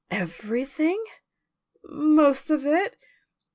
"Everything?" "Most of it."